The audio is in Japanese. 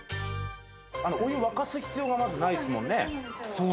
お湯沸かす必要が、まず、ないですもんね。